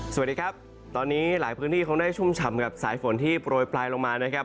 สวัสดีครับตอนนี้หลายพื้นที่เขาได้ชุ่มฉ่ำกับสายฝนที่โปรยปลายลงมานะครับ